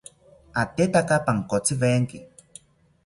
Atetaka pankotziwenki